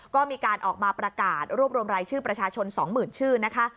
ก็มีการออกมาประกาศรวบรวมรายชื่อประชาชน๒๐๐๐ชื่อนะคะ